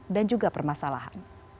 dan juga permasalahan